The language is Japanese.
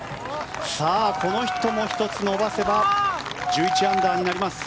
この人も１つ伸ばせば１１アンダーになります。